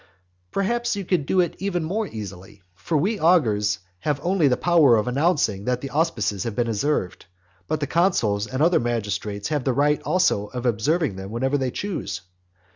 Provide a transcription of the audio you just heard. Perhaps you could even do it more easily. For we augurs have only the power of announcing that the auspices are being observed, but the consuls and other magistrates have the right also of observing them whenever they choose.